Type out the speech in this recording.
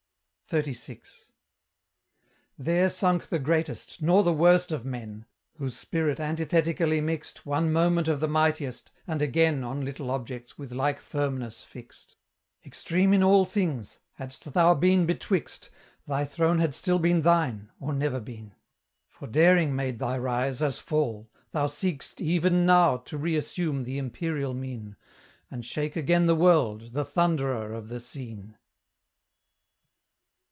XXXVI. There sunk the greatest, nor the worst of men, Whose spirit anithetically mixed One moment of the mightiest, and again On little objects with like firmness fixed; Extreme in all things! hadst thou been betwixt, Thy throne had still been thine, or never been; For daring made thy rise as fall: thou seek'st Even now to reassume the imperial mien, And shake again the world, the Thunderer of the scene!